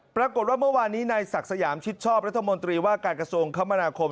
ปรากฏว่าเมื่อวานนี้นายศักดิ์สยามชิดชอบรัฐมนตรีว่าการกระทรวงคมนาคม